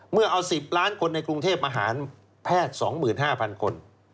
เมื่อเอาสิบล้านคนในกรุงเทพฯมาหารแพทย์สองหมื่นห้าพันคน